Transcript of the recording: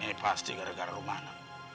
ini pasti gara gara rumah anak